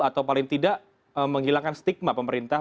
atau paling tidak menghilangkan stigma pemerintah